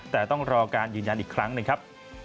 แต่ต้องรอการยืนยันอีกครั้งหนึ่งครับ